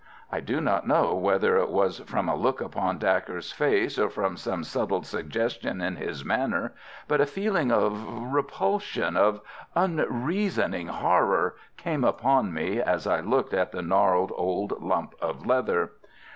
I do not know whether it was from a look upon Dacre's face, or from some subtle suggestion in his manner, but a feeling of repulsion, of unreasoning horror, came upon me as I looked at the gnarled old lump of leather.